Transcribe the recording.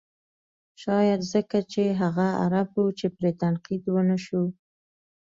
شاید ځکه چې هغه عرب و چې پرې تنقید و نه شو.